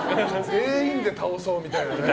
全員で倒そうみたいな。